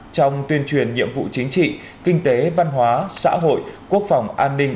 trong tuyên truyền nhiệm vụ chính trị kinh tế văn hóa xã hội quốc phòng an ninh